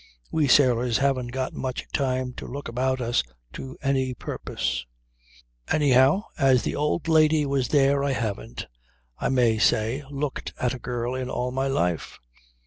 We sailors haven't got much time to look about us to any purpose. Anyhow, as the old lady was there I haven't, I may say, looked at a girl in all my life.